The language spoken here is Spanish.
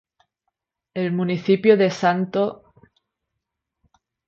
El municipio de St.